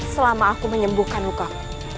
selama aku menyembuhkan lukaku